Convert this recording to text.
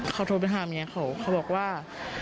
เขาโทรไปหาเมียเขาเขาบอกว่า